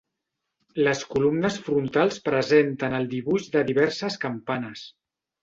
Les columnes frontals presenten el dibuix de diverses campanes.